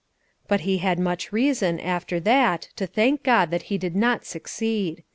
But he had much reason, after that, to thank God that he did not succeed.